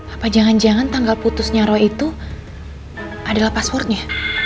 apa jangan jangan tanggal putusnya roh itu adalah passwordnya